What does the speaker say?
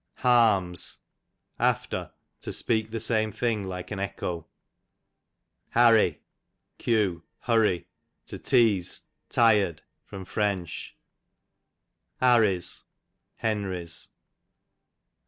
Harms, after, to speak the same thing like an echo. Harry, q. hurry, to teane, tired. Fr. Harry's, Henry's.